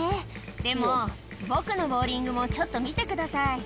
でも僕のボウリングもちょっと見てください」